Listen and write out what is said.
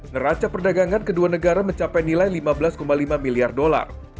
neraca perdagangan kedua negara mencapai nilai lima belas lima miliar dolar